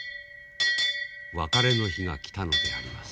別れの日が来たのであります。